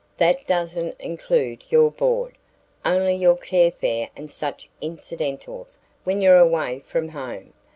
That doesn't include your board; only your carfare and such incidentals when you're away from home.